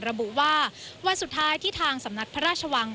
ระบุว่าวันสุดท้ายที่ทางสำนักพระราชวัง